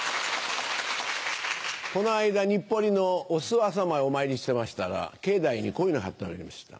この間日暮里のおすわさまへお参りしてましたら境内にこういうの張ってありました。